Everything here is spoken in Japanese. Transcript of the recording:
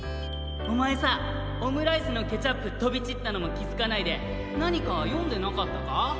おまえさオムライスのケチャップとびちったのもきづかないでなにかよんでなかったか？